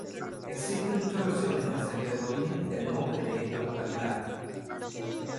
Existen muchas versiones a cerca del origen del nombre de esta localidad.